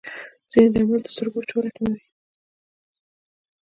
ځینې درمل د سترګو وچوالی کموي.